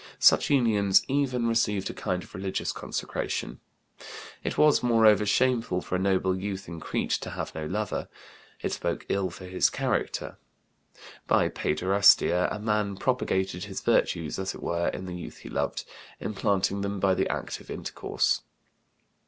Such unions even received a kind of religions consecration. It was, moreover, shameful for a noble youth in Crete to have no lover; it spoke ill for his character. By paiderastia a man propagated his virtues, as it were, in the youth he loved, implanting them by the act of intercourse.